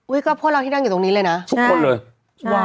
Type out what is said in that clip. ก็พวกเราที่นั่งอยู่ตรงนี้เลยนะทุกคนเลย